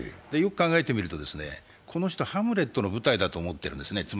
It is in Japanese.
よく考えてみると、この人、「ハムレット」の舞台だと思ってるんですね。